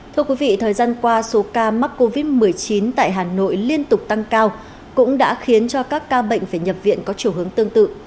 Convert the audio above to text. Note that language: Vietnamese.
thưa quý vị thời gian qua số ca mắc covid một mươi chín tại hà nội liên tục tăng cao cũng đã khiến cho các ca bệnh về nhập viện có chiều hướng tương tự